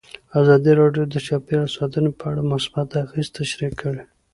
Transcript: ازادي راډیو د چاپیریال ساتنه په اړه مثبت اغېزې تشریح کړي.